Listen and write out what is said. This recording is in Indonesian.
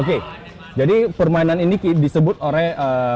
oke jadi permainan ini disebut oleh